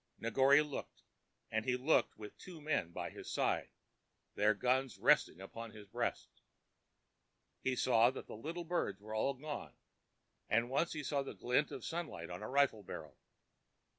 Negore looked, and he looked with two men by his side, their guns resting against his breast. He saw that the little birds were all gone, and once he saw the glint of sunlight on a rifle barrel.